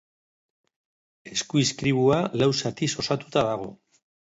Eskuizkribua lau zatiz osatuta dago.